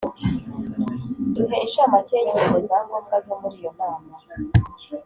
Duhe incamake y’ingingo za ngombwa zo muri iyo nama